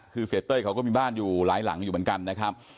เศรียณเทรย์เขาก็มีบ้านหลายหลังอยู่เหมือนกัน